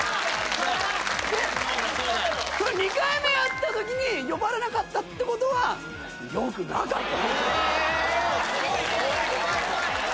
２回目やったときに呼ばれなかったってことは良くなかった。